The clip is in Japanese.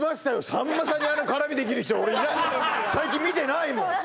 さんまさんにあの絡みできる人最近見てないもん